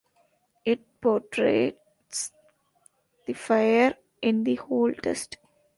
It portrays the fire-in-the-hole test.